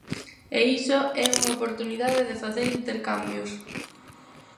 E iso é unha oportunidade de facer intercambios.